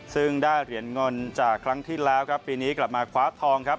ซึ่งได้เหรียญเงินจากครั้งที่แล้วครับปีนี้กลับมาคว้าทองครับ